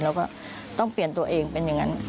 เราก็ต้องเปลี่ยนตัวเองเป็นอย่างนั้น